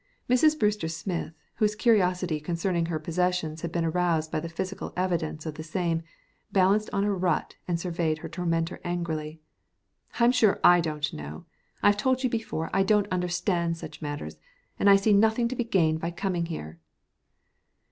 Mrs. Brewster Smith, whose curiosity concerning her possessions had been aroused by the physical evidence of the same, balanced on a rut and surveyed her tormentor angrily. "I'm sure I don't know. I've told you before I don't understand such matters, and I see nothing to be gained by coming here."